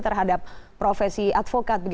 terhadap profesi advokat